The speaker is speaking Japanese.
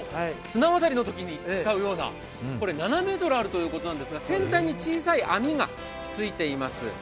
綱渡りのときに使うような、これ、７ｍあるということですが先端に小さい網がついています。